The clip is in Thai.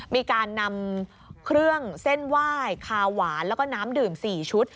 มีการนำเครื่องเส้นไหว้คาหวานแล้วก็น้ำดื่ม๔ชุด